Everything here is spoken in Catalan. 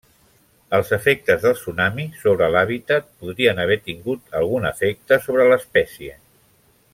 Els efectes del tsunami sobre l'hàbitat podrien haver tingut algun efecte sobre l'espècie.